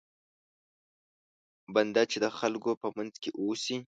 بنده چې د خلکو په منځ کې اوسي.